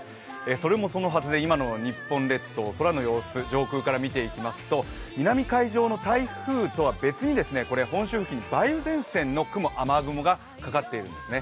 それもそのはずで今の日本列島、空の様子、上空から見ていきますと南海上の台風とは別に本州付近に梅雨前線の雨雲がかかってきているんですね。